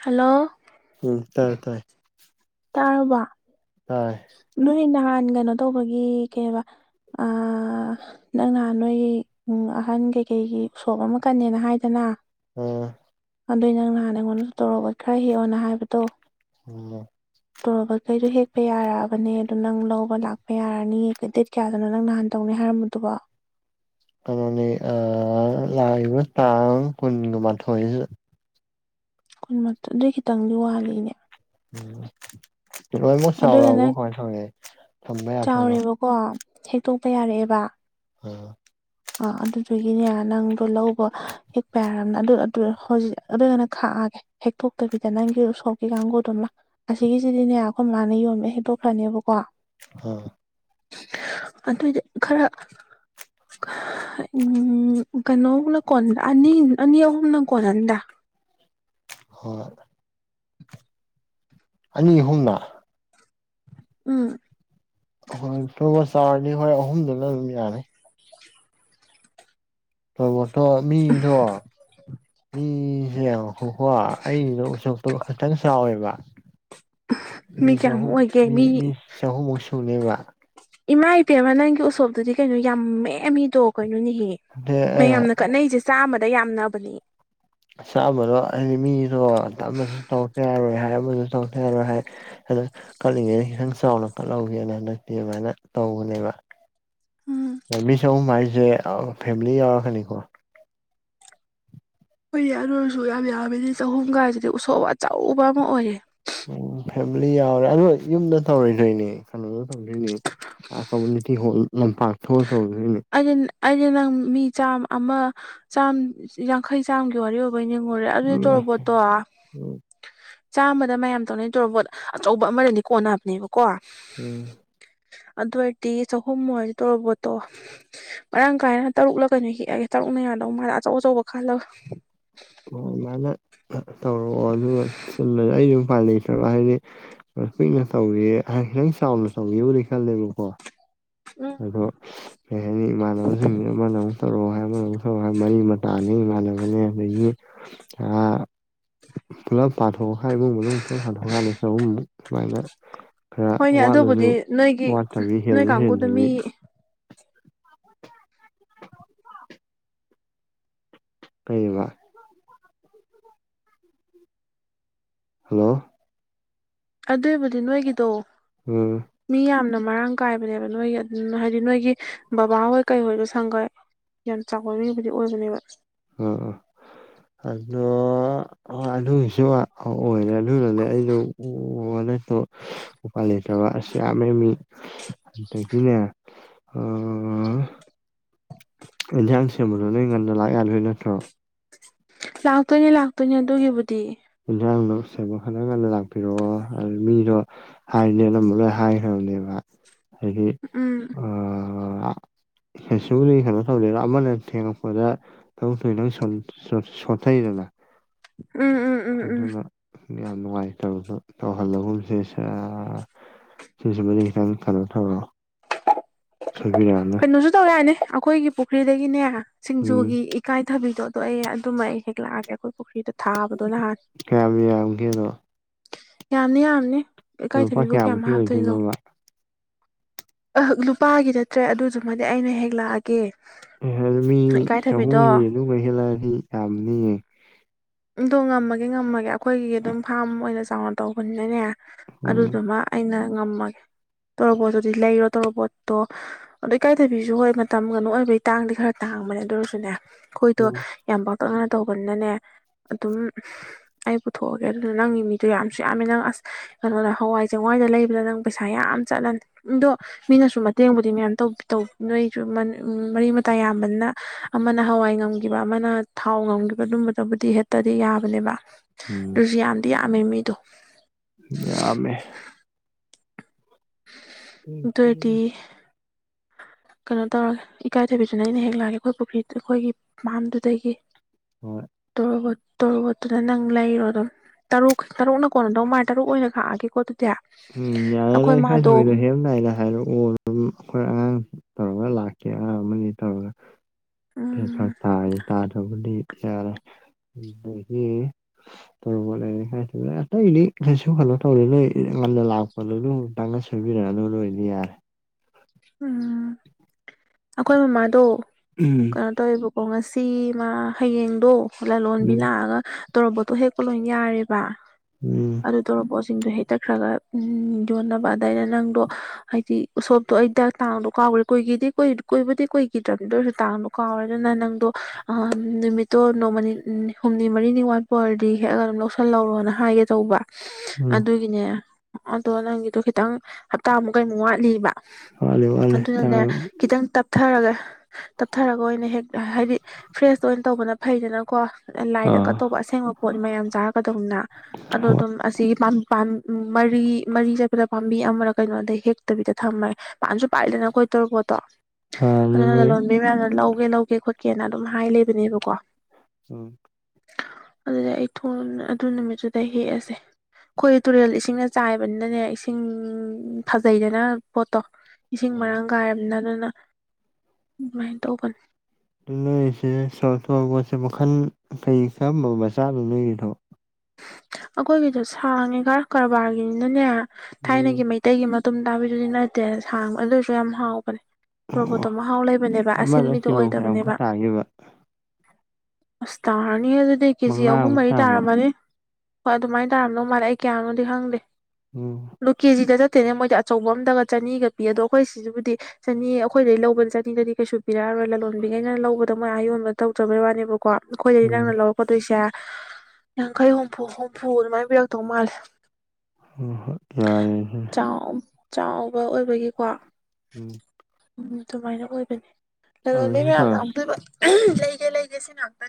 hello ꯎꯝ ꯇꯥꯏꯦ ꯇꯥꯏꯦ ꯇꯥꯔꯔꯕ ꯍ ꯅꯣꯏ ꯅꯍꯥꯟ ꯀꯩꯅꯣ ꯇꯧꯕꯒꯤ ꯀꯩꯕ ꯑ ꯅꯪ ꯅꯍꯥꯟ ꯅꯣꯏꯒꯤ ꯎ ꯑꯍꯟ ꯀꯩꯀꯩꯒꯤ ꯁꯣꯞ ꯑꯃ ꯀꯟꯅꯦꯅ ꯍꯥꯏꯗꯅ ꯑꯣ ꯑꯗꯨꯏ ꯅꯪ ꯅꯍꯥꯟꯅ ꯑꯩꯉꯣꯟꯗꯁꯨ ꯇꯧꯔꯛꯑꯣ ꯈꯔ ꯍꯦꯛꯛꯑꯣꯅ ꯍꯥꯏꯕꯗꯣ ꯎꯝ ꯇꯣꯔꯕꯈꯩꯗꯣ ꯍꯦꯛꯄ ꯌꯥꯔꯛꯑꯕꯅꯦ ꯑ ꯑꯗꯨ ꯅꯪ ꯂꯧꯕ ꯂꯥꯛꯄ ꯌꯥꯔꯅꯤ ꯗꯦꯠ ꯀꯌꯥꯗꯨꯅꯣ ꯅꯪ ꯅꯍꯥꯟ ꯇꯧꯅꯤ ꯍꯥꯏꯔꯝꯕꯗꯨꯒ ꯀꯃꯅꯤ ꯑ ꯂꯥꯛꯏꯕ ꯇꯥꯡ ꯀꯨꯟꯒ ꯃꯥꯊꯣꯛꯏꯁꯨ ꯀꯨꯟ ꯑꯗꯨꯏ ꯈꯤꯇꯪꯗꯤ ꯋꯥꯠꯂꯤꯅꯦ ꯎ ꯀ ꯃꯣꯏ ꯑꯗꯨꯏꯒꯅ ꯆꯥꯎꯔꯕ ꯍꯅ ꯊꯉꯦ ꯆꯥꯎꯔꯦꯕꯀꯣ ꯍꯦꯛꯇꯣꯛꯄ ꯌꯥꯔꯛꯑꯦꯕ ꯑꯣ ꯑ ꯑꯗꯨꯗꯨꯒꯤꯅꯦ ꯅꯪꯗꯣ ꯂꯧꯕ ꯍꯦꯛꯄ ꯌꯥꯔꯕꯅ ꯍꯧꯖꯤꯛ ꯑꯗꯨ ꯀꯅ ꯈꯥꯛꯑꯒꯦ ꯍꯦꯛꯛꯇ ꯇꯣꯣꯛꯇꯕꯤꯗ ꯅꯪꯒ ꯁꯥꯎꯀꯤꯒꯥꯡꯪꯣꯗꯂꯝ ꯑꯁꯤꯒꯤꯁꯤꯗꯤꯅꯦ ꯑꯩꯈꯣꯏ ꯂꯥꯟꯅ ꯌꯣꯟꯃꯦ ꯍꯦꯟꯗꯣꯛꯈ꯭ꯔꯅꯦꯕꯀꯣ ꯑ ꯑꯗꯨꯏꯗꯤ ꯈꯔ ꯎꯝ ꯀꯩꯅꯣꯅ ꯀꯣꯟ ꯑꯅꯤ ꯑꯅꯤ ꯑꯍꯨꯝꯅ ꯀꯣꯟꯍꯟꯗ ꯍꯣꯏ [unintelligible] ꯑꯅꯤ ꯑꯍꯨꯝꯅ ꯎꯝ ꯍꯣꯏ ꯊꯨꯕ ꯆꯥꯔꯅꯤ ꯍꯣꯏ ꯑꯍꯨꯝꯗꯨꯅ ꯑꯗꯨꯝ ꯌꯥꯅꯤ ꯇꯃꯣ ꯇ ꯃꯤ ꯊ ꯃꯤ ꯡꯀꯣ ꯑꯩꯅꯤꯗꯣ ꯎꯁꯛꯇꯣ ꯈꯤꯇꯪ ꯆꯥꯎꯋꯦꯕ ꯃꯤ ꯆꯍꯨꯝ ꯃꯤ ꯃꯤ ꯆꯍꯨꯝꯃꯨꯛ ꯁꯨꯅꯦꯕ ꯏꯃꯥ ꯏꯕꯦꯝ ꯑꯃ ꯅꯪꯒꯤ ꯎꯁꯣꯞꯇꯨꯗꯤ ꯀꯩꯅꯣ ꯌꯥꯝꯃꯦꯦꯝꯃꯤꯗꯣ ꯀꯩꯅꯣꯅꯦꯍꯦ ꯑꯗꯩ ꯑꯦ ꯃꯌꯥꯝꯅ ꯀꯠꯅꯩꯁꯦ ꯆꯥꯃꯗ ꯌꯥꯝꯅꯕꯅꯦ ꯆꯥꯕꯗꯣ ꯍꯥꯏꯗꯤ ꯃꯤꯗꯣ ꯑꯃꯁꯨ ꯇꯧ ꯌꯥꯔꯣꯏ ꯍꯥꯏ ꯑꯃꯁꯨ ꯇꯊ ꯌꯥꯔꯣꯏ ꯍꯥꯏ ꯑꯗ ꯀꯠꯂꯤꯉꯩꯅ ꯈꯤꯇꯪ ꯆꯥꯎꯅ ꯀꯠꯍꯧꯒꯦꯅ ꯍꯟꯗꯛꯇꯤ ꯑꯗꯨꯃꯥꯏꯅ ꯇꯧꯕꯅꯦꯕ ꯎꯝ ꯃꯤꯁ ꯑꯍꯨꯝ ꯍꯥꯏꯁꯦ ꯐꯦꯃꯤꯂꯤ ꯌꯥꯎꯔꯛꯀꯅꯤꯀꯣ ꯍꯈꯣꯏꯗꯤ ꯑꯔ ꯑꯣꯏꯔꯁꯨ ꯌꯥꯝ ꯌꯥꯝꯃꯤꯗꯤ ꯆꯍꯨꯝꯒꯁꯤꯗꯤ ꯎꯁꯣꯞ ꯑꯆꯧꯕ ꯑꯃ ꯑꯣꯏꯌꯦ ꯎꯝ ꯐꯦꯃꯤꯂꯤ ꯌꯥꯎꯔꯦ ꯑꯗ ꯌꯨꯝꯗ ꯇꯧꯔꯣꯏꯗꯣꯏꯅꯦ ꯀꯩꯅꯣꯗ ꯇꯧꯗꯣꯏꯅꯤ ꯀꯝꯃꯨꯅꯤꯇꯤ ꯍꯣꯜ ꯂꯝꯄꯥꯛ ꯊꯣꯛꯑ ꯇꯧꯗꯣꯏꯅꯦ ꯑꯗꯤ ꯅꯪ ꯃꯤ ꯆꯥꯝ ꯑꯃ ꯆꯥꯝ ꯌꯥꯈꯩ ꯆꯥꯝꯒꯤ ꯋꯥꯔꯤ ꯑꯣꯏꯕ ꯌꯦꯡꯉꯨꯔꯦ ꯑꯗꯨꯗꯤ ꯎꯝ ꯇꯣꯔꯔꯕꯣꯠꯇꯣ ꯆꯥꯝꯃꯗ ꯃꯌꯥꯝ ꯇꯧꯅꯩ ꯇꯔꯕꯣꯠ ꯑꯆꯧꯕ ꯑꯃꯔꯗꯤ ꯀꯣꯟꯅꯕꯅꯦꯕꯀꯣ ꯑꯗꯨꯏꯔꯗꯤ ꯆꯍꯨꯝ ꯇꯧꯔꯕꯠꯇꯣ ꯃꯔꯥꯡ ꯀꯥꯏꯅ ꯇꯔꯨꯛꯂ ꯀꯩꯅꯣ ꯍꯤꯛꯑꯒꯦ ꯇꯔꯨꯛꯅ ꯌꯥꯗꯧ ꯃꯥꯂꯦ ꯑꯆꯧ ꯑꯆꯧꯕ ꯈꯜꯂꯒ ꯍꯣꯏ ꯃꯥꯅ ꯇꯧꯔꯛꯑꯣ ꯑꯗꯨꯒ ꯁꯤꯜꯂ ꯑꯩ ꯑꯗꯨꯝ ꯄꯥ ꯂꯩꯇ꯭ꯔꯕ ꯍꯥꯏꯗꯤ ꯀꯨꯏꯅ ꯇꯧꯋꯍ ꯈꯤꯇꯪ ꯆꯥꯎꯅ ꯇꯧꯒꯦ ꯈꯜꯂꯦꯕꯀꯣ ꯎꯝ ꯑꯗꯣ ꯀꯔꯤ ꯍꯥꯏꯅꯤ ꯏꯃꯥꯟꯅꯕꯁꯤꯡꯁꯤ ꯑꯃꯅ ꯑꯃꯨꯛ ꯇꯧꯔꯛꯑꯣ ꯍꯥꯏ ꯑꯃꯅ ꯑꯃꯨꯛ ꯇꯧꯔꯛꯑꯣ ꯍꯥꯏ ꯃꯔꯤ ꯃꯇꯥ ꯏꯃꯥꯟꯅꯕꯅꯦ ꯑꯗꯒꯤ ꯑꯥ ꯄꯨꯂꯞ ꯄꯥꯊꯣꯛꯑꯀꯥꯟ ꯏꯃꯨꯡ ꯃꯅꯨꯡ ꯄꯨꯂꯞ ꯄꯥꯊꯣꯛꯑꯥꯟꯗ ꯆꯨꯝꯨꯛ ꯁꯨꯃꯥꯏꯅ ꯈꯔ ꯍꯣꯏꯅꯦ ꯋꯥꯠꯂꯁꯨ ꯑꯗꯨꯕꯨꯗꯤ ꯅꯣꯏꯒꯤ ꯋꯥꯠꯇꯕꯤ ꯅꯣꯏ ꯍꯦꯜꯂꯁꯨ ꯀꯥꯡꯕꯨꯗꯣ ꯍꯦꯟꯗꯕꯤ ꯃꯤ ꯀꯩꯕ ꯍꯜꯂꯣ ꯑꯗꯨꯏꯕꯨꯗꯤ ꯅꯣꯏꯒꯤꯗꯣ ꯎꯝ ꯃꯤ ꯌꯥꯝꯅ ꯃꯔꯥꯡ ꯀꯥꯏꯕꯅꯦꯕ ꯅꯣꯏꯒꯤ ꯑꯗꯨꯝ ꯍꯥꯏꯗꯤ ꯅꯣꯏꯒꯤ ꯕꯕꯥꯍꯣꯏ ꯀꯩꯍꯣꯏꯗ ꯁꯪꯒ ꯌꯥꯝ ꯆꯥꯎꯕ ꯃꯤꯕꯨꯗꯤ ꯑꯣꯏꯕꯅꯦꯕ ꯑꯣ ꯑꯗꯨꯗꯣ ꯑꯗꯨꯅꯁꯨ ꯑ ꯑꯣꯏꯔꯦ ꯑꯗꯨꯅꯅꯦ ꯑꯩꯁꯨ ꯎꯄꯥꯜ ꯂꯩꯇ꯭ꯔꯕ ꯑꯁ ꯌꯥꯝꯃꯦꯃꯤ ꯑꯗꯒꯤꯅꯦ ꯑꯦꯟꯖꯥꯡ ꯁꯦꯝꯕꯗꯣ ꯅꯣꯏ ꯉꯟꯗ ꯂꯥꯛ ꯌꯥꯗꯣꯏ ꯅꯠꯇ꯭ꯔꯣ ꯂꯥꯛꯇꯣꯏꯅꯦ ꯂꯥꯛꯇꯣꯏꯅꯦ ꯑꯗꯨꯒꯤꯕꯨꯗꯤ ꯏꯟꯁꯥꯡꯗ ꯎꯁꯕꯨ ꯈꯅ ꯉꯟꯅ ꯂꯥꯛꯄꯤꯔꯛꯑꯣ ꯑꯗꯨ ꯃꯤꯗꯣ ꯍꯥꯏꯅꯤ ꯑꯅꯝꯕ ꯂꯣꯏ ꯍꯥꯏꯈ꯭ꯔꯕꯅꯦꯕ ꯍꯥꯏꯗꯤ ꯎꯝ ꯑ ꯕꯨꯂꯤ ꯀꯩꯅꯣ ꯇꯧꯗꯔ ꯑꯃꯅ ꯊꯦꯡꯉꯛꯄꯗ ꯇꯥꯎꯟ ꯐꯣꯏꯅꯪ ꯁꯣꯟꯊꯔꯤꯔꯥ ꯎꯝ ꯎꯝ ꯎꯝ ꯎꯝ ꯑꯗꯨꯅ ꯌꯥꯝ ꯅꯨꯡꯉꯥꯏꯇ ꯇꯧꯍꯜꯂꯒꯨꯝꯁꯦ ꯁꯥ ꯁꯤꯁꯤꯃꯗꯤ ꯈꯤꯇꯪ ꯀꯩꯅꯣ ꯇꯧꯔꯑꯣ ꯁꯣꯏꯕꯤꯔꯛꯑꯅ ꯀꯩꯅꯣꯁꯨ ꯇꯧ ꯌꯥꯅꯦ ꯑꯩꯈꯣꯏꯒꯤ ꯄꯨꯈ꯭ꯔꯤꯗꯒꯤꯅꯦ ꯎꯝ ꯁꯤꯡꯖꯨꯒꯤ ꯏꯀꯥꯏꯊꯕꯤꯗꯣ ꯑꯗꯣ ꯑꯩ ꯑꯗꯨꯃ ꯑꯩ ꯍꯦꯛ ꯂꯥꯛꯑꯒꯦ ꯑꯩꯈꯣꯏ ꯄꯨꯈ꯭ꯔꯤꯗ ꯊꯥꯕꯗꯣ ꯅꯍꯥꯟ ꯀꯌꯥꯝ ꯌꯥꯝꯒꯦꯗꯣ ꯌꯥꯝꯅꯤ ꯌꯥꯝꯅꯤ ꯂꯨꯄꯥ ꯏꯀꯥꯏꯊꯕꯤꯕꯨ ꯀꯌꯥꯝ ꯀꯌꯥꯃꯨꯛꯀꯤ ꯍꯥꯞꯇꯣꯏꯅꯣ ꯑꯣꯏꯗꯣꯏꯅꯣꯕ ꯑꯍ ꯂꯨꯄꯥꯒꯤ ꯅꯠꯇ꯭ꯔꯦ ꯑꯗꯨꯗꯨꯃꯗꯤ ꯑꯩꯅ ꯍꯦꯛ ꯂꯥꯛꯑꯒꯦ ꯀꯦ ꯏꯀꯥꯏꯊꯕꯤꯗꯣ ꯑꯗꯨ ꯀꯩ ꯍꯦꯜꯂꯑꯗꯤ ꯌꯥꯝ ꯅꯤꯌꯦ ꯗꯣ ꯉꯝꯃꯒꯦ ꯉꯝꯃꯒꯦ ꯑꯩꯈꯣꯏꯒꯤ ꯑꯗꯨꯝ ꯐꯥꯔꯝ ꯑꯣꯏꯅ ꯆꯥꯎꯅ ꯇꯧꯕꯅꯤꯅꯅꯦ ꯎꯝ ꯑꯗꯨꯗꯨꯃ ꯑꯩꯅ ꯉꯝꯃꯒꯦ ꯇꯣꯔꯣꯕꯣꯠꯇꯨꯗꯤ ꯂꯩꯔꯣ ꯇꯣꯔꯣꯕꯣꯠꯇꯣ ꯑꯗꯣ ꯏꯀꯥꯏꯗꯕꯤꯁꯨ ꯍꯣꯏ ꯃꯇꯝꯒꯅꯨ ꯑꯣꯏꯕꯩ ꯇꯥꯡꯗꯤ ꯈꯔ ꯇꯥꯡꯕꯅꯦ ꯑꯗꯨ ꯑꯣꯏꯔꯁꯨꯅꯦ ꯑꯩꯈꯣꯏꯗꯣ ꯌꯥꯝ ꯄꯥꯛꯇꯛꯅꯅ ꯇꯧꯕꯅꯤꯅꯅꯦ ꯑꯗꯨꯝ ꯑꯩ ꯄꯨꯊꯣꯛꯑꯒꯦ ꯑꯗꯨꯅ ꯅꯪꯒꯤ ꯃꯤꯗꯣ ꯌꯥꯝꯁꯨ ꯌꯥꯝꯃꯦ ꯅꯪ ꯑꯁ ꯀꯩꯅꯣꯅ ꯍꯋꯥꯏ ꯆꯦꯡꯋꯥꯏꯗ ꯂꯩꯕꯗ ꯅꯪ ꯄꯩꯁꯥ ꯌꯥꯝ ꯆꯠꯂꯟꯅꯤꯗꯣ ꯃꯤꯅꯁꯨ ꯃꯇꯦꯡꯕꯨꯗꯤ ꯃꯌꯥꯝꯧ ꯅꯣꯏꯁꯨ ꯃꯔꯤ ꯃꯇꯥ ꯌꯥꯝꯕꯅ ꯑꯃꯅ ꯍꯋꯥꯏ ꯉꯝꯈꯤꯕ ꯑꯃꯅ ꯊꯥꯎ ꯉꯝꯈꯤꯕ ꯑꯗꯨꯝꯕꯗꯕꯨꯗꯤ ꯍꯦ ꯇꯗꯤ ꯌꯥꯕꯅꯦꯕ ꯎꯝ ꯑꯗꯨꯁꯨ ꯌꯥꯝꯗꯤ ꯌꯥꯝꯃꯦ ꯃꯤꯗꯣ ꯌꯥꯝꯃꯦ ꯗꯣꯏꯗꯤ ꯀꯩꯅꯣ ꯇꯧꯔꯒꯦ ꯏꯀꯥꯏꯊꯕꯤꯁꯨꯅ ꯑꯩꯅ ꯍꯦꯛ ꯂꯥꯛꯑꯒꯦ ꯑꯩꯈꯣꯏ ꯄꯨꯈ꯭ꯔꯤꯗ ꯑꯩꯈꯣꯏꯒꯤ ꯐꯥꯝꯗꯨꯗꯒꯤ ꯍꯣꯏ ꯇꯣꯔꯣꯕꯣꯠ ꯇꯣꯔꯣꯕꯣꯠꯇꯨꯅ ꯅꯪ ꯂꯩꯔꯣ ꯑꯗꯨꯝ ꯇꯔꯨꯛ ꯇꯔꯨꯛꯅ ꯀꯣꯟꯅꯗꯧ ꯃꯥ ꯇꯔꯨꯛ ꯑꯣꯏꯅ ꯈꯥꯛꯑꯒꯦ ꯎꯝ ꯌꯥꯔꯦ ꯂ ꯑꯩ ꯈꯥꯏ ꯁꯕꯤꯗꯣ ꯍꯦꯗꯥꯏꯅ ꯍꯥꯏꯔꯛꯑꯣ ꯑꯗꯨꯝ ꯑꯩꯈꯣꯏ ꯑꯉꯥꯡ ꯇꯧꯔꯒ ꯂꯥꯛꯀꯦ ꯑꯉꯥꯡ ꯑꯃꯅꯤ ꯇꯧꯔꯒ ꯎꯝ ꯐꯥꯛ ꯇꯖ꯭ꯔꯕꯨꯗꯤ [unintelligible] [unintelligible] ꯉꯟꯅ ꯂꯥꯛꯄꯗꯣꯗꯨꯝ ꯂꯨꯇꯪꯒ ꯁꯣꯏꯕꯤꯔꯝꯃꯅꯤ ꯂꯣꯏꯔꯗꯤ ꯌꯥꯔꯦ ꯎꯝ ꯑꯩꯈꯣꯏ ꯃꯥꯗꯣ ꯎꯝ ꯑꯇꯧꯋꯦꯕꯀꯣ ꯉꯁꯤ ꯃꯥ ꯍꯌꯦꯡꯗꯣ ꯂꯂꯣꯟꯕꯤ ꯎꯝ ꯂꯥꯛꯑꯒ ꯇꯧꯕꯗꯣ ꯍꯦꯛ ꯑꯗꯨꯝ ꯌꯥꯔꯦꯕ ꯎꯝ ꯑꯗꯨ ꯇꯧꯔ ꯄꯣꯠꯁꯤꯡꯗꯣ ꯍꯦꯛꯇꯛꯈ꯭ꯔꯒ ꯌꯣꯟꯅꯕ ꯑꯗꯩꯗꯤ ꯅꯪꯗꯣ ꯍꯥꯏꯗꯤ ꯎꯁꯣꯞ ꯗꯣ ꯑꯩꯗꯣ ꯇꯥꯡꯗꯣ ꯀꯥꯎꯈ꯭ꯔꯦ ꯀꯨꯏꯈꯤꯗꯤ ꯀꯨꯏ ꯀꯣꯏꯕꯨꯗꯤ ꯀꯨꯏꯈꯤꯗ꯭ꯔꯕ ꯗꯨꯏꯁꯨ ꯇꯥꯡꯗꯣ ꯀꯥꯎꯔꯒꯅꯥ ꯅꯪ ꯗꯣ ꯑꯝꯃꯝꯗ ꯅꯨꯃꯤꯠ ꯇꯣ ꯅꯣꯡꯃꯅꯤ ꯍꯨꯝꯅꯤ ꯃꯔꯤꯅꯤ ꯋꯥꯠꯄ ꯑꯣꯏꯔꯗꯤ ꯍꯦꯛꯑ ꯑꯗꯨꯝ ꯂꯧꯁꯤꯜꯍꯧꯔꯣꯅ ꯍꯥꯏꯒꯦ ꯇꯧꯕ ꯎꯝ ꯑꯗꯨꯒꯤꯅꯦ ꯑꯗꯣ ꯅꯪꯒꯤꯗꯣ ꯈꯤꯇꯪ ꯍꯞꯇꯥꯃꯨꯛ ꯀꯩꯃꯨꯛ ꯋꯥꯠꯂꯤꯕ ꯋꯥꯠꯂꯤ ꯋꯥꯠꯂꯤ ꯑꯗꯨꯅꯅꯦ ꯇꯥꯡ ꯈꯤꯇꯪ ꯇꯞꯊꯔꯒ ꯇꯞꯊꯔꯒ ꯑꯣꯏꯅ ꯍꯦꯛ ꯍꯥꯏꯗꯤ ꯐ꯭ꯔꯦꯁꯇ ꯑꯣꯏꯅ ꯇꯧꯕꯅ ꯐꯩꯗꯅꯀꯣ ꯂꯥꯏꯗ ꯑꯥ ꯀꯠꯇꯧꯕ ꯑꯁꯦꯡꯕ ꯄꯣꯠ ꯃꯌꯥꯝ ꯆꯥꯔꯛꯀꯗꯧꯅꯤꯅ ꯑꯗꯣ ꯍꯣꯏ ꯑꯗꯨꯝ ꯑꯁꯤꯒꯤ ꯃꯔꯤ ꯃꯔꯤ ꯆꯠꯄꯗ ꯄꯥꯝꯕꯤ ꯑꯃꯔ ꯀꯩꯅꯣꯗ ꯍꯦꯛꯇꯕꯤꯗ ꯊꯝꯃꯦ ꯄꯥꯟꯁꯨ ꯄꯥꯜꯂꯤꯗꯅ ꯈꯣꯏ ꯇꯣꯔꯣꯕꯣꯠꯇꯣ ꯍꯥꯟꯅ ꯑꯗꯨꯅ ꯅꯣꯏ ꯂꯂꯣꯟ ꯃꯌꯥꯝꯅ ꯂꯧꯒꯦ ꯂꯧꯒꯦ ꯈꯣꯠꯀꯦꯅ ꯑꯗꯨꯝ ꯍꯥꯏ ꯂꯩꯕꯅꯦꯕꯀꯣ ꯎꯝ ꯑꯗꯨꯗ ꯑꯩ ꯊꯣꯡ ꯂꯣꯟꯅ ꯑꯗꯨꯏ ꯅꯨꯃꯤꯠꯇꯨꯗ ꯍꯦꯛꯑꯁꯦ ꯑꯩꯈꯣꯏ ꯇꯨꯔꯦꯜ ꯏꯁꯤꯡꯅ ꯆꯥꯏꯕꯅꯤꯅꯅꯦ ꯏꯁꯤꯡ ꯐꯖꯩꯗꯅ ꯄꯣꯠꯇꯣ ꯏꯁꯤꯡ ꯍꯣꯏ ꯃꯔꯥꯡ ꯀꯥꯏꯔꯕꯅꯤꯅ ꯑꯗꯨꯅ ꯑꯗꯨꯃꯥꯏꯅ ꯇꯧꯕꯅꯤ ꯑꯗꯨ ꯅꯣꯏꯔꯤꯁꯦ ꯁꯣꯔ ꯊꯣꯔ ꯄꯣꯠꯁꯨ ꯃꯈꯜ ꯀꯩ ꯀꯔꯝꯕ ꯃꯆꯥꯗꯣ ꯅꯣꯏꯔꯣꯏꯗꯔꯣ ꯑꯩꯈꯣꯏꯒꯤꯗꯣ ꯁꯥꯡꯉꯤ ꯈꯔ ꯀꯔꯕꯥꯔꯒꯤꯅꯤꯅꯅꯦ ꯎꯝ ꯊꯥꯏꯅꯒꯤ ꯃꯩ ꯇꯩꯒꯤ ꯃꯇꯨꯝ ꯇꯥꯕꯤꯗꯨꯗꯤ ꯅꯠꯇꯦ ꯁꯥꯡꯕ ꯑꯗꯨꯏꯁꯨ ꯌꯥꯝ ꯍꯥꯎꯕꯅꯦ ꯇꯣꯔꯕꯣꯠꯇꯣ ꯃꯍꯥꯎ ꯂꯩꯕꯅꯦꯕ ꯑꯃꯗ ꯑꯁꯤꯟꯕꯤꯗꯣ ꯀꯤꯂꯣ ꯑꯣꯏꯗꯕꯅꯦꯕ ꯀꯌꯥꯃꯨꯛꯀ ꯇꯥꯒꯦꯕ ꯑꯁ ꯇꯥꯔꯅꯤ ꯑꯗꯨꯗꯤ ꯀꯦꯖꯤ ꯑꯍꯨꯝ ꯃꯉꯥꯃꯨꯛ ꯃꯔꯤ ꯇꯥꯕ꯭ꯔꯥ ꯇꯥꯔꯝꯃꯅꯤ ꯍꯣꯏ ꯑꯗꯨꯃꯥꯏ ꯇꯧꯔꯝꯗꯧ ꯃꯥꯜꯂꯦ ꯑꯩ ꯀꯌꯥꯅꯣꯗꯤ ꯈꯪꯗꯦ ꯎꯝ ꯂꯣ ꯀꯦꯖꯤꯗ ꯆꯠꯇꯣꯏꯅꯦ ꯃꯣꯏꯗꯤ ꯑꯆꯧꯕ ꯑꯝꯗꯒ ꯆꯅꯤꯒ ꯄꯤ ꯑꯗꯣ ꯑꯩꯈꯣꯏ ꯁꯤꯖꯕꯨꯗꯤ ꯆꯅꯤ ꯑꯩꯈꯣꯏꯗꯩ ꯂꯧꯕꯅ ꯆꯅꯤꯗꯗꯤ ꯀꯩꯁꯨꯃꯇꯨꯡ ꯄꯤꯔꯛꯑꯔꯣꯏ ꯂꯥꯂꯣꯟꯕꯤꯈꯩꯅ ꯂꯧꯕꯗꯣ ꯃꯥ ꯑꯥ ꯌꯣꯟꯕ ꯇꯧꯗ꯭ꯔꯕꯩ ꯋꯥꯅꯦꯕ ꯀꯣ ꯑꯩꯈꯣꯏꯗꯒꯤ ꯎꯝ ꯅꯪꯅ ꯂꯧꯔꯛ ꯄꯗꯣꯏꯁꯦ ꯀꯩ ꯍꯨꯝꯐꯨ ꯍꯨꯝꯐꯨ ꯑꯗꯨꯃꯥꯏꯅ ꯄꯤꯔꯛꯇꯧ ꯃꯥꯜꯂꯦ ꯍꯣ ꯍꯣꯏ ꯌꯥꯏꯌꯦ ꯆꯥꯎ ꯆꯥꯎꯕ ꯑꯣꯏꯕꯒꯤꯀꯣ ꯎꯝ ꯎꯝ ꯑꯗꯨꯃꯥꯏꯅ ꯑꯣꯏꯕꯅꯦ ꯀꯩꯅꯣꯗꯤ ꯇꯧꯔꯁꯤ ꯉꯥꯍꯟꯅ ꯇꯧꯔꯁꯤ ꯑꯝꯇꯣꯏꯕ ꯂꯩꯒꯦ ꯂꯩꯒꯦ ꯁꯤꯅꯥꯛꯇ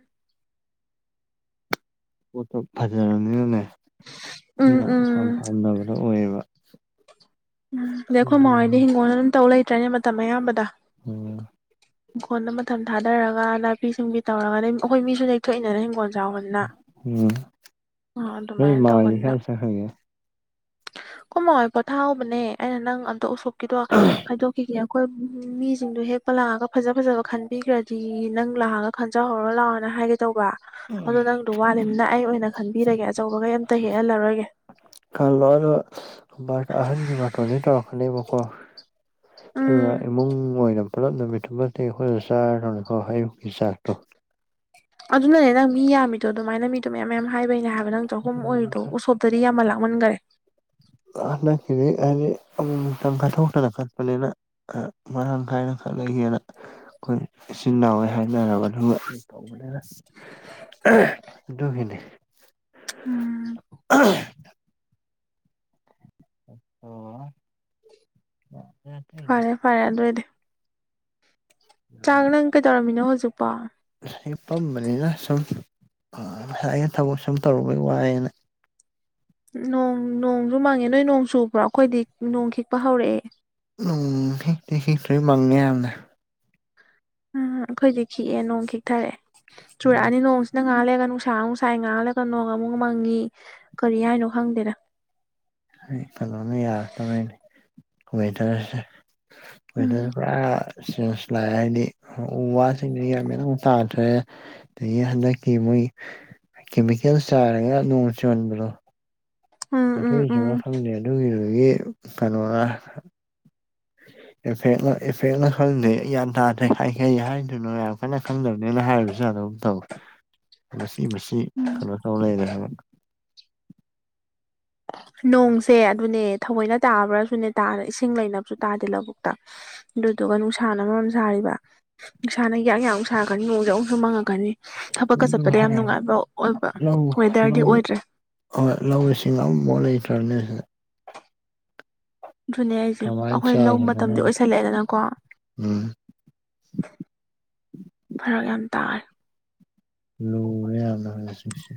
ꯄꯣꯠꯇꯣ ꯐꯖꯔꯕꯅꯤꯅꯅꯦ ꯎꯝ ꯃꯤꯅ ꯎꯝ ꯄꯥꯝꯅꯕꯗꯥ ꯑꯣꯏꯌꯦꯕ ꯎꯝ ꯗꯩ ꯑꯩꯈꯣꯏ ꯃꯍꯣꯏꯗꯤ ꯍꯤꯡꯒꯣꯜ ꯑꯗꯨꯝ ꯇꯧ ꯂꯩꯇ꯭ꯔꯅꯦ ꯃꯇꯝ ꯑꯌꯥꯝꯕꯗ ꯑꯝ ꯍꯤꯡꯈꯣꯜ ꯑꯃꯥ ꯊꯝ ꯊꯥꯗꯔꯒꯥ ꯅꯥꯄꯤ ꯁꯤꯡꯕꯤ ꯇꯧꯔꯒꯗꯤ ꯑꯩꯈꯣꯏ ꯃꯤꯁꯨ ꯅꯦꯛꯊꯣꯛꯏꯅꯦ ꯍꯤꯡꯒꯣꯟ ꯌꯥꯎꯍꯟꯅ ꯎꯝ ꯅꯣꯏ ꯑꯗꯨꯃꯥꯏꯅ ꯃꯥꯍꯣꯏꯗꯤ ꯇꯧꯕꯅꯤꯅ ꯀꯥꯏ ꯆꯠꯈ꯭ꯔꯒꯦ ꯈꯣꯏ ꯃꯥ ꯍꯣꯏ ꯄꯣꯊꯥꯍꯧꯕꯅꯦ ꯑꯩꯅ ꯅꯪ ꯑꯝꯇ ꯎꯁꯣꯞꯀꯤꯗꯣ ꯍꯥꯏꯗꯣꯛꯈꯤꯒꯦ ꯑꯩꯈꯣꯏ ꯃꯤꯁꯤꯡꯗꯣ ꯍꯦꯛꯄ ꯂꯥꯛꯑꯒ ꯐꯖ ꯐꯖꯕ ꯈꯟꯕꯤꯈ꯭ꯔꯗꯤ ꯅꯪ ꯂꯥꯛꯑ ꯈꯟꯖꯍꯧꯔꯣ ꯂꯥꯛꯑꯣꯅ ꯍꯥꯏꯒꯦ ꯇꯧꯕ ꯑꯗꯨ ꯅꯪ ꯋꯥꯠꯂꯤꯃꯤꯅ ꯑꯩ ꯑꯣꯏꯅ ꯈꯟꯕꯤꯔꯒꯦ ꯑꯆꯧꯕꯒꯩ ꯑꯃꯝꯇ ꯍꯦꯛꯍꯜꯂꯔꯣꯏꯒꯦ ꯀꯥꯂꯔ ꯑꯍꯟꯒꯤ ꯃꯇꯣꯟꯅꯤ ꯇꯧꯔꯛꯀꯅꯤꯕꯀꯣ ꯗꯨꯒꯥ ꯎꯝ ꯏꯃꯨꯡ ꯋꯥꯏꯔꯝ ꯄꯨꯜꯂꯞ ꯅꯨꯃꯤꯠ ꯇꯨꯃꯗꯤ ꯑꯩꯈꯣꯏꯗ ꯆꯥꯔꯗꯧꯅꯤꯀꯣ ꯑꯌꯨꯛꯀꯤ ꯆꯥꯛꯇꯣ ꯑꯗꯨꯅꯅꯦ ꯅꯪ ꯃꯤ ꯌꯥꯝꯃꯤꯗꯣ ꯑꯗꯨꯃꯥꯏꯅ ꯃꯤꯗꯣ ꯃꯌꯥꯝ ꯃꯌꯥꯝ ꯍꯥꯏꯕꯩꯅꯦ ꯍꯥꯏꯕ ꯅꯪ ꯆꯍꯨꯝ ꯑꯣꯏꯔꯤꯗꯣ ꯎꯁꯣꯞꯇꯗꯤ ꯌꯥꯝꯅ ꯂꯥꯛꯃꯟꯈꯔꯦ ꯅꯥ ꯀꯔꯦ ꯑꯪ ꯀꯊ ꯀꯄꯅꯤꯅ ꯑ ꯃꯅ ꯀꯥꯏꯅ ꯁꯂꯅ ꯑꯩꯈꯣꯏ ꯏꯆꯤꯟꯜꯅꯥꯎꯦ ꯍꯥꯏꯅꯔꯔꯕ ꯇꯧꯕꯅꯤꯅ ꯈꯅꯤꯅꯤ ꯎꯝ ꯍ ꯐꯔꯦ ꯐꯔꯦ ꯑꯗꯨ ꯑꯣꯏꯗꯤ ꯆꯥꯛ ꯅꯪ ꯀꯩꯗꯧꯔꯝꯃꯤꯅꯣ ꯍꯧꯖꯤꯛꯄꯣ ꯉꯁꯥꯏꯒꯤ ꯄꯝꯕꯅꯤꯅ ꯁꯨꯝ ꯉꯁꯥꯏꯒꯤ ꯊꯕꯛ ꯁꯨꯝ ꯇꯧꯔꯨꯕꯩ ꯋꯥꯏꯑꯅ ꯅꯣꯡ ꯅꯣꯡꯁꯨ ꯃꯥꯡꯉꯦ ꯅꯣꯏ ꯅꯣꯡ ꯆꯨꯕ꯭ꯔꯣ ꯑꯩꯈꯣꯏꯗꯤ ꯅꯣꯡ ꯈꯤꯛꯄ ꯍꯧꯔꯛꯑꯦ ꯎꯝ ꯍꯦꯛꯇꯦ ꯍꯦꯛꯇꯣꯏ ꯃꯪꯉꯦ ꯌꯥꯝꯅ ꯎꯝ ꯑꯩꯈꯣꯏꯗꯤ ꯈꯤꯛꯑꯦ ꯅꯣꯡ ꯈꯤꯛꯊꯔꯛꯑꯦ ꯆꯨꯔꯛꯑꯅꯤ ꯅꯣꯡꯁꯤ ꯉꯍꯥꯛ ꯂꯩꯔꯒ ꯅꯨꯡꯁꯥ ꯑꯃꯨꯛ ꯁꯥꯏ ꯉꯍꯥꯛ ꯂꯩꯔꯒ ꯅꯣꯡ ꯑꯃꯨꯛ ꯃꯪꯉꯤ ꯀꯔꯤ ꯍꯥꯏꯅꯣ ꯈꯪꯗꯦꯗ ꯑꯩ ꯀꯩꯅꯣꯅ ꯌꯥꯔꯛꯇꯕꯩꯅꯦ ꯋꯦꯗꯔꯁꯦ ꯋꯦꯗꯔꯁꯦ ꯎꯝ ꯄꯨꯔꯥ ꯆꯦꯟꯖ ꯂꯥꯛꯦ ꯍꯥꯏꯗꯤ ꯎ ꯋꯥ ꯁꯤꯡꯁꯤ ꯒ꯭ꯌꯥꯟ ꯃꯦꯟ ꯑꯝ ꯇꯥꯗ꯭ꯔꯦ ꯑꯗꯒꯤ ꯍꯟꯗꯛꯀꯤ ꯃꯣꯏ ꯀꯦꯃꯤꯀꯦꯜ ꯆꯥꯏꯔꯒ ꯅꯣꯡ ꯆꯨꯍꯟꯕꯗꯣ ꯎꯝ ꯎꯝ ꯑꯗꯨꯏꯁꯨꯔ ꯎꯝ ꯈꯪꯗꯦ ꯑꯗꯨꯒꯤꯗꯨꯒꯤ ꯀꯩꯅꯣꯔ ꯏꯐꯦꯛꯂ ꯏꯐꯦꯛꯂ ꯈꯪꯗꯦ ꯒ꯭ꯌꯥꯟ ꯇꯥꯗꯦ ꯀꯩ ꯍꯥꯏꯗꯣꯏꯅꯣ ꯌꯥꯝ ꯐꯖꯅ ꯈꯪꯗꯕꯅꯤꯅ ꯍꯥꯏꯔꯨꯕꯁꯨ ꯌꯥꯗꯒꯨꯝ ꯇꯧ ꯃꯆꯤ ꯃꯆꯤ ꯀꯩꯅꯣ ꯇꯧ ꯂꯩꯔꯦ ꯍꯥꯏꯕ ꯅꯣꯡꯁꯦ ꯑꯗꯨꯅꯦ ꯊꯑꯣꯏꯅ ꯇꯥꯕ꯭ꯔꯁꯨꯅꯦ ꯇꯥꯗ ꯏꯁꯤꯡ ꯂꯩꯅꯕꯁꯨ ꯇꯥꯗꯦ ꯂꯧꯕꯨꯛꯇ ꯑꯗꯨꯗꯨꯒ ꯅꯨꯡꯁꯥꯅ ꯃꯔꯣꯝ ꯁꯥꯔꯤꯕ ꯅꯨꯡꯁꯥꯅ ꯌꯥꯛ ꯌꯥꯛ ꯑꯝꯨꯛ ꯁꯥꯔꯛꯀꯅꯤ ꯅꯣꯡꯁꯦ ꯑꯃꯨꯛꯁꯨ ꯃꯪꯉꯛꯀꯅꯤ ꯊꯕꯛꯀ ꯑꯗꯨ ꯆꯠꯄꯗ ꯌꯥꯝ ꯍꯥꯏꯔꯒ ꯅꯨꯡꯉꯥꯏꯕ ꯑꯣꯏꯕ ꯂꯧ ꯋꯦꯗꯔꯗꯤ ꯂꯧ ꯑꯣꯏꯗ꯭ꯔꯦ ꯍꯣꯏ ꯂꯧ ꯁꯤꯡ ꯑꯃꯐꯥꯎ ꯂꯩꯇ꯭ꯔꯅꯦ ꯁꯤꯗ ꯑꯗꯨꯅꯦ ꯍꯩꯁꯦ ꯀꯃꯥꯏꯅ ꯑꯩꯈꯣꯏ ꯂꯧ ꯆꯥꯁꯤꯅꯣ ꯃꯇꯝꯗꯤ ꯈꯪꯗꯦ ꯑꯣꯏꯁꯜꯂꯛꯑꯦꯗꯅꯀꯣ ꯎꯝ ꯐꯔꯛ ꯌꯥꯝ ꯇꯥꯔꯦ ꯂꯨꯔꯦ ꯌꯥꯝꯅ ꯍꯧꯁꯤꯛꯁꯦ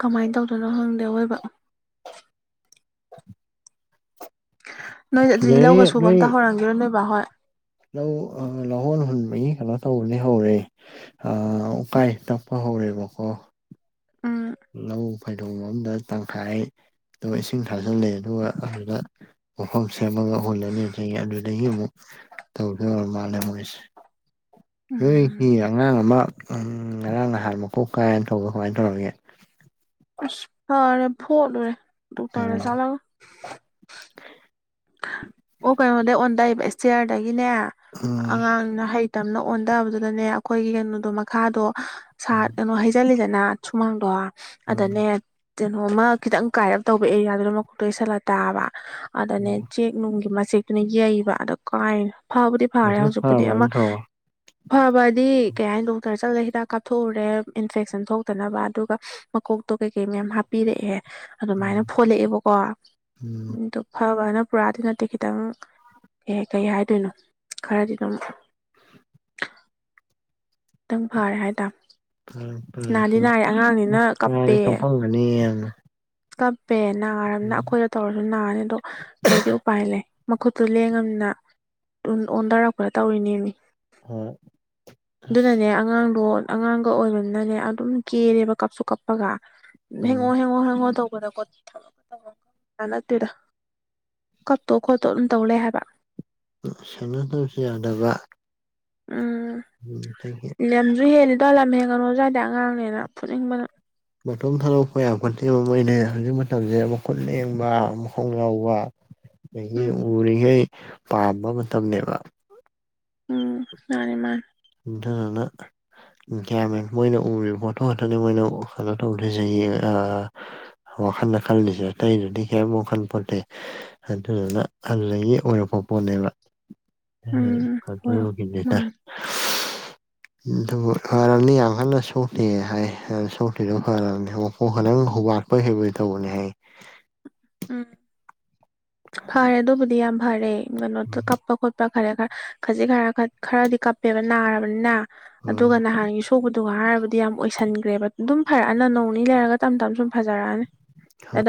ꯀꯃꯥꯏꯅ ꯇꯧꯗꯣꯏꯅꯣ ꯈꯪꯗꯦ ꯑꯋꯣꯏꯕ [inaudible] ꯅꯣꯏ ꯑꯗꯨꯗꯤ ꯂꯧꯒ ꯁꯤꯗꯩ ꯁꯨꯕ ꯅꯣꯏ ꯑꯝꯇ ꯍꯧꯔꯝꯒꯤꯔꯣꯏ ꯅꯣꯏ ꯕꯥ ꯍꯣꯏ ꯂꯧ ꯂꯧꯍꯣꯟ ꯍꯨꯟꯕꯒꯤ ꯀꯩꯅꯣ ꯇꯧꯕꯗꯤ ꯍꯧꯔꯦ ꯑ ꯎꯀꯥꯏ ꯇꯞꯄ ꯍꯧꯔꯦꯕꯀꯣ ꯎꯝ ꯂꯧ ꯐꯩꯗꯣꯝ ꯑꯃꯗ ꯇꯪꯈꯥꯏꯗꯣ ꯏꯁꯤꯡ ꯊꯥꯖꯤꯜꯂꯦ ꯑꯗꯨꯒ ꯑꯗꯨꯗ ꯃꯐꯝ ꯁꯦꯝꯃꯒ ꯍꯨꯜꯂꯅꯤ ꯑꯗꯩ ꯑꯗꯨꯗꯒꯤ ꯑꯃꯨꯛ ꯇꯧꯗꯣꯏ ꯑꯣꯏꯔ ꯃꯥꯜꯂꯦ ꯃꯣꯏꯁꯦ ꯎꯝ ꯅꯣꯏꯒꯤ ꯑꯉꯥꯡ ꯑꯃ ꯉꯔꯥꯡ ꯅꯍꯥꯟ ꯃꯣꯛ ꯀꯥꯏꯅ ꯇꯧꯕ ꯀꯃꯥꯏꯅ ꯇꯧꯔꯒꯦ ꯑꯁ ꯐꯔꯦ ꯐꯣꯠꯂꯨꯔꯦ ꯗꯣꯛꯇꯔꯗ ꯎꯝ ꯆꯠꯂꯒ ꯑꯣ ꯀꯩꯅꯣꯗꯒꯤ ꯑꯣꯟꯗꯩꯕ ꯏꯁꯇ꯭ꯌꯔꯗꯒꯤꯅꯦ ꯎꯝ ꯑꯉꯥꯡꯅ ꯍꯩ ꯇꯝꯅ ꯑꯣꯟꯊꯕꯗꯨꯗꯅꯦ ꯑꯩꯈꯣꯏꯒꯤ ꯀꯩꯅꯣꯗꯣ ꯃꯈꯥꯗꯣ ꯁꯥꯠ ꯀꯩꯅꯣ ꯍꯩꯖꯤꯜꯂꯤꯗꯅ ꯁꯨꯃꯥꯡꯗꯣ ꯎꯝ ꯑꯗꯅꯦ ꯀꯩꯅꯣꯝꯃ ꯈꯤꯇꯪ ꯀꯥꯏꯔꯞ ꯇꯧꯕ ꯑꯦꯔꯤꯌꯥꯗꯨꯗ ꯃꯀꯣꯛꯇꯣ ꯌꯩꯁꯜꯂ ꯇꯥꯕ ꯑꯗꯅꯦ ꯎꯝ ꯅꯨꯡꯒꯤ ꯃꯆꯦꯛꯇꯨꯅ ꯌꯩꯕ ꯑꯗꯣ ꯀꯥꯏꯔ ꯐꯕꯨꯗꯤ ꯐꯔꯦ ꯍꯧꯖꯤꯛ ꯍꯧꯖꯤꯛꯄꯨꯗꯤ ꯐꯔꯕ ꯑꯃ ꯅꯠꯇ꯭ꯔꯣ ꯐꯕꯗꯤ ꯀꯩ ꯍꯥꯏꯅꯤ ꯗꯣꯛꯇꯔ ꯆꯠꯂꯒ ꯍꯤꯗꯥꯛ ꯀꯥꯞꯊꯣꯛꯎꯔꯦ ꯏꯟꯐꯦꯛꯁꯟ ꯊꯣꯛꯇꯅꯕ ꯑꯗꯨꯒ ꯃꯀꯣꯛꯇꯣ ꯀꯩꯀꯩ ꯃꯌꯥꯝ ꯍꯥꯞꯄꯤꯔꯛꯑꯦ ꯑꯗꯨꯃꯥꯏꯅ ꯎꯝ ꯐꯣꯠꯂꯛꯑꯦꯕꯀꯣ ꯎꯝ ꯑꯗꯨꯣ ꯐꯕꯅ ꯄꯨꯔꯥꯗꯤ ꯅꯠꯇꯦ ꯈꯤꯇꯪ ꯑꯦ ꯀꯩ ꯍꯥꯏꯗꯣꯏꯅꯣ ꯈꯔꯗꯤ ꯑꯗꯨꯝ ꯈꯤꯇꯪ ꯐꯔꯦ ꯍꯥꯏꯇꯥꯝ ꯐꯔꯦ ꯐꯔꯦ ꯑꯗꯣ ꯀꯞꯄꯦ [unintelligible] ꯀꯝꯄꯝꯃꯅꯤ ꯌꯥꯝꯅ ꯀꯞꯄꯦ ꯅꯥꯔꯝꯅ ꯎꯝ ꯑꯩꯈꯣꯏꯗ ꯇꯧꯔꯁꯨ ꯅꯥꯅꯤ ꯑꯗꯣ ꯀꯩꯗꯤ ꯎꯄꯥꯏ ꯂꯩ ꯃꯈꯨꯠꯇꯨ ꯂꯦꯡꯉꯝꯅꯤꯅ ꯑꯣꯟꯊꯔꯛꯄꯗ ꯇꯧꯔꯤꯅꯦꯃꯤ ꯍꯣꯏ ꯑꯗꯨꯅꯅꯦ ꯑꯉꯥꯡꯗꯣ ꯑꯉꯥꯡꯒ ꯑꯣꯏꯕꯅꯤꯅꯅꯦ ꯑꯗꯨꯝ ꯀꯦꯔꯦꯕ ꯀꯞꯁꯨ ꯀꯞꯄꯒ ꯍꯦꯡꯉꯣ ꯎꯝ ꯍꯦꯡꯉꯣ ꯍꯦꯡꯉꯣ ꯇꯧꯕꯗꯣꯀꯣ [unintelligible] ꯅꯠꯇꯦꯗ ꯀꯞꯇꯧ ꯈꯣꯠꯇꯧ ꯑꯗꯨꯝ ꯇꯧ ꯂꯩ ꯍꯥꯏꯕ ꯁꯦꯟꯅꯗꯕꯁꯨ ꯌꯥꯗꯕ ꯎꯝ ꯎꯝ [unintelligible] ꯂꯝꯁꯨ ꯍꯦꯜꯂꯤꯗꯣ ꯂꯝ ꯍꯦꯟꯒꯅꯣꯁꯨ ꯌꯥꯗꯦ ꯑꯉꯥꯡꯅꯦꯅ ꯐꯨꯅꯤꯡꯕꯅ ꯃꯇꯣꯝ ꯊꯥꯗꯣꯛꯄ ꯌꯥꯄꯣꯠꯇꯦꯕ ꯃꯣꯏꯅꯦ ꯍꯧꯖꯤꯛ ꯃꯇꯝꯁꯦ ꯃꯈꯨꯠ ꯂꯦꯡꯕ ꯃꯈꯣꯡ ꯌꯥꯎꯕ [inaudible] ꯑꯗꯒꯤ ꯎꯔꯤꯉꯩ ꯄꯥꯝꯕ ꯃꯇꯝꯅꯦꯕ ꯎꯝ ꯃꯥꯅꯦ ꯃꯥꯅꯦ ꯏꯅ ꯒꯌꯥꯃꯦꯟ ꯃꯣꯏꯅ ꯎꯔꯤꯕ ꯄꯣꯠꯇꯣ ꯈꯇꯅꯤ ꯃꯣꯏꯅ ꯀꯩꯅꯣ ꯇꯧꯗ꯭ꯣꯏꯁꯦ ꯋꯥꯈꯜꯗ ꯈꯜꯜꯂꯤꯁꯦ ꯑ ꯇꯇꯩꯩꯅꯗꯤ ꯀꯌꯥꯝ ꯋꯥꯈꯜ ꯄꯣꯠꯇꯦ ꯑꯗꯨꯗꯨꯅ ꯑꯗꯨꯗꯒꯤ ꯑꯣꯏꯔꯛꯄ ꯄꯣꯠꯅꯦꯕ ꯎꯝ ꯍꯔꯣ ꯑꯗꯨꯒꯤꯅꯤꯗ ꯃꯥꯥꯟ ꯑꯗꯨ ꯐꯔꯅꯤ ꯌꯥꯝꯈꯜꯅ ꯁꯧꯇꯦ ꯍꯥꯏ ꯁꯧꯇꯦꯗꯣ ꯐꯔꯅꯤꯣ ꯍꯂꯪ ꯍꯧꯕꯦ ꯍꯕꯣꯏ ꯍꯩꯕꯣꯏ ꯇꯧꯕꯅꯤ ꯍꯥꯏ ꯎꯝ ꯐꯔꯦ ꯑꯗꯨꯕꯨꯗꯤ ꯌꯥꯝ ꯐꯔꯦ ꯀꯩꯅꯣ ꯀꯞꯄ ꯈꯣꯠꯄ ꯈꯔꯦ ꯈꯔ ꯈꯖꯤꯛ ꯈꯔ ꯈꯔꯗꯤ ꯀꯞꯄꯦꯕ ꯅꯥꯔꯕꯅꯤꯅ ꯎꯝ ꯑꯗꯨꯒ ꯅꯍꯥꯟ ꯑꯇꯨꯧꯕꯗꯨꯒ ꯍꯥꯏꯔꯕꯗꯤ ꯌꯥꯝ ꯑꯣꯏꯁꯟꯈ꯭ꯔꯦꯕ ꯑꯗꯨꯝ ꯐꯔꯛꯑꯅ ꯅꯣꯡ ꯅꯤ ꯂꯩꯔꯒ ꯇꯞ ꯇꯞꯅ ꯁꯨꯝ ꯐꯖꯔꯛꯑꯅꯤ ꯍ ꯑꯗ